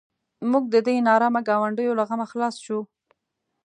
موږ د دې نارامه ګاونډیو له غمه خلاص شوو.